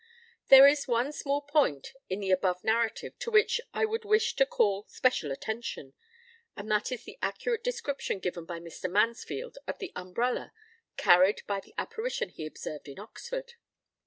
p> "There is one small point in the above narrative to which I would wish to call special attention, and that is the accurate description given by Mr. Mansfield of the umbrella carried by the apparition he observed in Oxford.